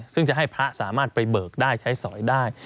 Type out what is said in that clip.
ซึ่งจะให้พระสามารถไปเบิกได้ใช้สอยได้